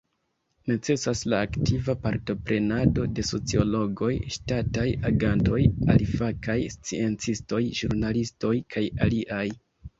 Necesas la aktiva partoprenado de sociologoj, ŝtataj agantoj, alifakaj sciencistoj, ĵurnalistoj, kaj aliaj.